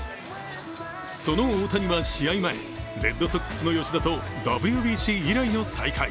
その大谷は試合前、レッドソックスの吉田とＷＢＣ以来の再会。